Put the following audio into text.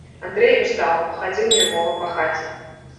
Андрэй устаў, пахадзіў нервова па хаце.